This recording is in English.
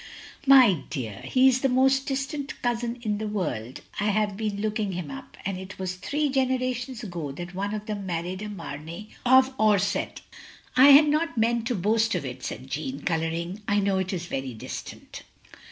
" "My dear! He is the most distant cousin in the world. I have been looking him up; and it was three generations ago that one of them married a Mamey of Orsett." " I had not meant to boast of it, " said Jeanne, colouring. "I know it is very distant."